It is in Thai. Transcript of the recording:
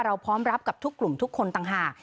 พร้อมรับกับทุกกลุ่มทุกคนต่างหาก